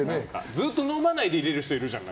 ずっと飲まないでいられる人いるじゃん。